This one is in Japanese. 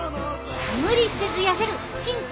無理せずやせるシン